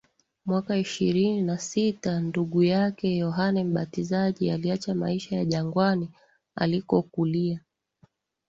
Mwaka ishirini na sita ndugu yake Yohane Mbatizaji aliacha maisha ya jangwani alikokulia